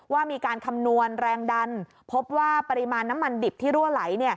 ว่ามีการคำนวณแรงดันพบว่าปริมาณน้ำมันดิบที่รั่วไหล